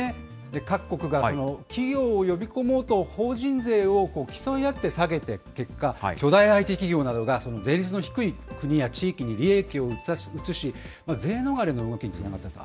各国が企業を呼び込もうと、法人税を競い合って下げてきた結果、巨大ＩＴ企業などが、税率の低い国や地域に利益をうつし、税逃れの動きにつながったと。